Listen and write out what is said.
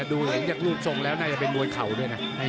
ดูเหมือนอยากรูดทรงแล้วน่าจะเป็นมวยเข่าด้วยเนี่ย